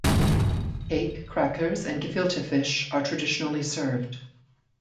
Cake, crackers, and gefilte fish are traditionally served.